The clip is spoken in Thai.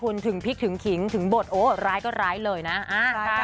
คุณถึงพิกถึงขิงถึงบทโอ้ร้ายก็ร้ายเลยนะ